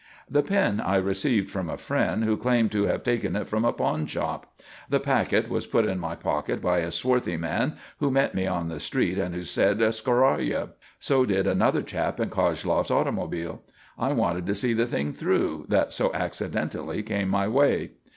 "The pin I received from a friend who claimed to have taken it from a pawnshop. The packet was put in my pocket by a swarthy man who met me on the street and who said 'scoraya.' So did another chap in Koshloff's automobile. I wanted to see the thing through that so accidentally came my way.